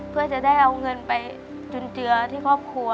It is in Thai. เพื่อจะได้เอาเงินไปจุนเจือที่ครอบครัว